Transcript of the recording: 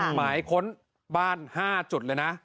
หมายค้นบ้าน๕จุดเลยนะ